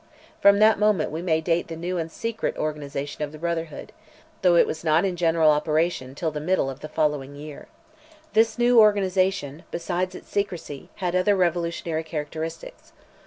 From that moment we may date the new and secret organization of the brotherhood, though it was not in general operation till the middle of the following year. This new organization, besides its secrecy, had other revolutionary characteristics.